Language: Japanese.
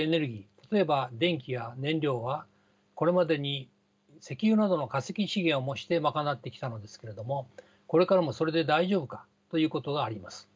例えば電気や燃料はこれまでに石油などの化石資源を燃して賄ってきたのですけれどもこれからもそれで大丈夫かということがあります。